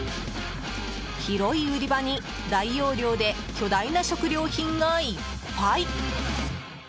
広い売り場に大容量で巨大な食料品がいっぱい。